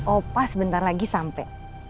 opa sebentar lagi sampe